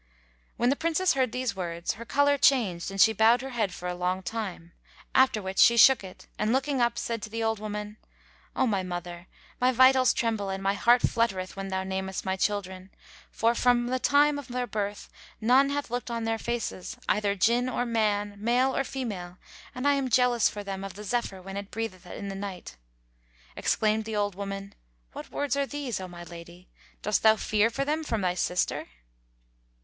When the Princess heard these words, her colour changed and she bowed her head a long while, after which she shook it and looking up, said to the old woman, "O my mother, my vitals tremble and my heart fluttereth when thou namest my children; for, from the time of their birth none hath looked on their faces either Jinn or man, male or female, and I am jealous for them of the zephyr when it breatheth in the night." Exclaimed the old woman, "What words are these, O my lady? Dost thou fear for them from thy sister?"